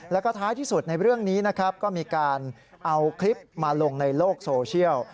แล้วก็ท้ายที่สุดในเรื่องนี้นะครับก็มีการเอาคลิปมาลงในโลกโซเชียล